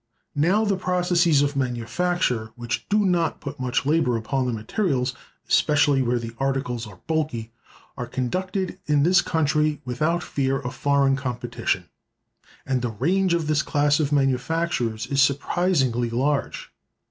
Now, the processes of manufacture which do not put much labor upon the materials, especially where the articles are bulky, are conducted in this country without fear of foreign competition. And the range of this class of manufactures is surprisingly large.